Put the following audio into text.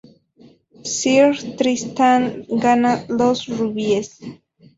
Sir Tristán gana los rubíes.